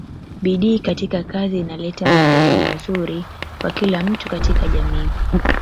bidii katika kazi inaleta maendeleo manzuri kwa kila mtu katika jamii